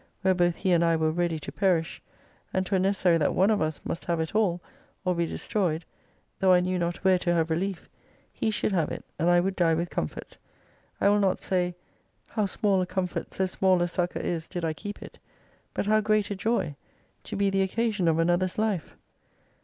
ere both he and I were ready to perish, and 'twere necessary that one of us must have it all or be destroyed, though I knew not where to have reUef, he should have it, and I would die with comfort. I will not say, How small a comfort so small a succour is did I keep it : but how great a joy, to be the occasion of another's life